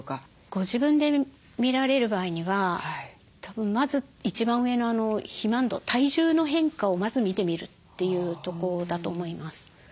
ご自分で見られる場合にはまず一番上の肥満度体重の変化をまず見てみるというとこだと思います。